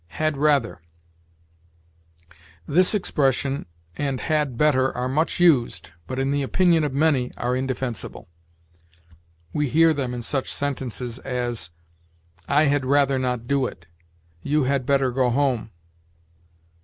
HAD RATHER. This expression and had better are much used, but, in the opinion of many, are indefensible. We hear them in such sentences as, "I had rather not do it," "You had better go home."